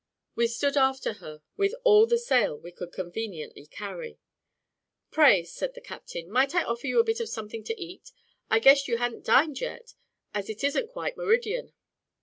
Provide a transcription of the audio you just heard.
We stood after her with all the sail we could conveniently carry. "Pray," said the captain, "might I offer you a bit of something to eat? I guess you ha'n't dined yet, as it isn't quite meridian."